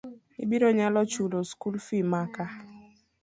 Ibiro nyalo chulo skul fii maka?